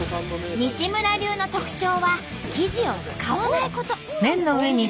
西村流の特徴は生地を使わないこと。